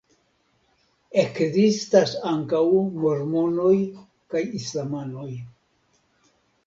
Ekzistas ankaŭ mormonoj kaj islamanoj.